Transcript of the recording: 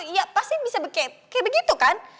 iya pasti bisa kayak begitu kan